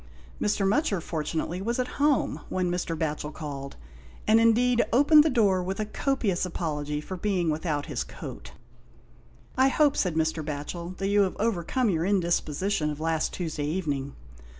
Mr. Mutcher, fortunately, was at home when Mr. Batchel called, and indeed opened the door with a copious apology for being without his coat. " I hope," said Mr. Batchel, " that you have overcome your indisposition of last Tuesday evening."